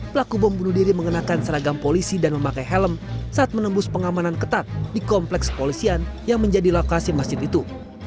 pelaku bom bunuh diri mengenakan seragam polisi dan memakai helm saat menembus pengamanan ketat di kompleks kepolisian yang menjadi lokasi masjid itu